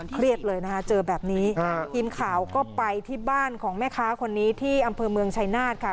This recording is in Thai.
เครียดเลยนะคะเจอแบบนี้ทีมข่าวก็ไปที่บ้านของแม่ค้าคนนี้ที่อำเภอเมืองชายนาฏค่ะ